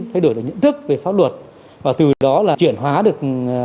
thay đổi được nhận thức về pháp luật và từ đó là chuyển hóa được